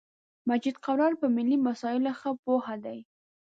مجید قرار په ملی مسایلو خه پوهه دی